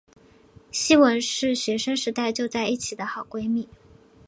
希汶是学生时代就在一起的好闺蜜。